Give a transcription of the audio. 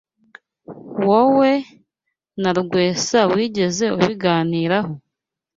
Wowe na Rwesa wigeze ubiganiraho?